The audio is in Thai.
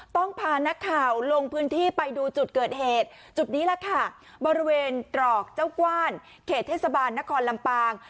พานักข่าวลงพื้นที่ไปดูจุดเกิดเหตุจุดนี้แหละค่ะบริเวณตรอกเจ้ากว้านเขตเทศบาลนครลำปาง